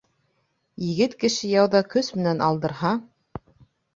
Егет кеше яуҙа көс менән алдырһа.